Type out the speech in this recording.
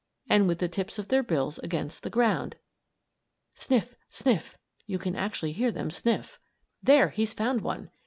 and with the tips of their bills against the ground. "Sniff! Sniff!" (You actually can hear them sniff.) There, he's found one!